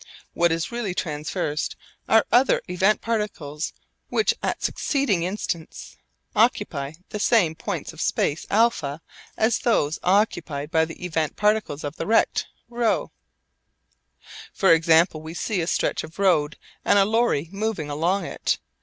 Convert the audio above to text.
What is really traversed are other event particles which at succeeding instants occupy the same points of space α as those occupied by the event particles of the rect ρ. For example, we see a stretch of road and a lorry moving along it.